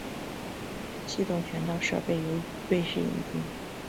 系统全套设备由瑞士引进。